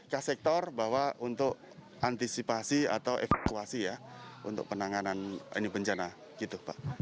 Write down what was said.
ke sektor bahwa untuk antisipasi atau evakuasi ya untuk penanganan ini bencana gitu pak